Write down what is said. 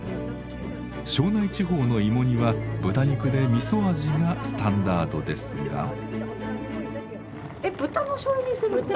庄内地方の芋煮は豚肉でみそ味がスタンダードですが。